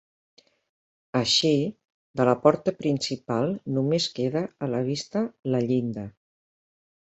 Així, de la porta principal només queda a la vista la llinda.